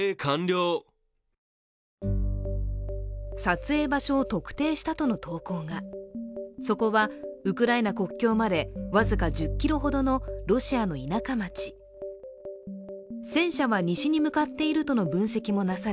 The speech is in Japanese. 撮影場所を特定したとの投稿がそこはウクライナ国境まで僅か１０ｋｍほどのロシアの田舎町戦車は西に向かっているとの分析もなされ